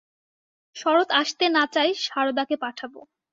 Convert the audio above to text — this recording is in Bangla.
শরৎ আসতে না চায় সারদাকে পাঠাবে।